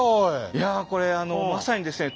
いやこれまさにですね